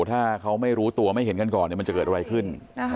ถ้าเขาไม่รู้ตัวไม่เห็นกันก่อนมันจะเกิดอะไรขึ้น